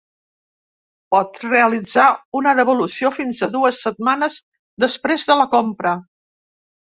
Pot realitzar una devolució fins a dues setmanes després de la compra.